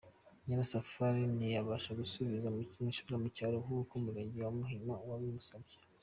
Nyirasafari ntiyabasha gusubira mu cyaro nk’uko Umurenge wa Muhima wabimusabye.